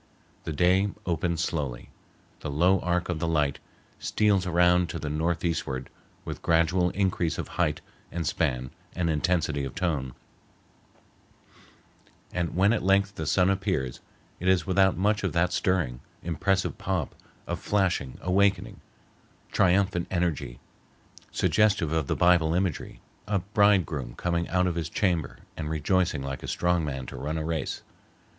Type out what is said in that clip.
The day opens slowly. The low arc of light steals around to the northeastward with gradual increase of height and span and intensity of tone; and when at length the sun appears, it is without much of that stirring, impressive pomp, of flashing, awakening, triumphant energy, suggestive of the Bible imagery, a bridegroom coming out of his chamber and rejoicing like a strong man to run a race.